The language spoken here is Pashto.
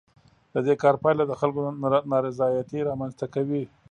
د دې کار پایله د خلکو نارضایتي رامنځ ته کوي.